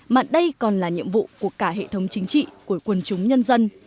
mà đây còn là nhiệm vụ của cả hệ thống chính trị của quần chúng nhân dân